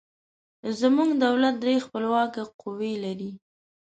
زموږ دولت درې خپلواکه قوې لري.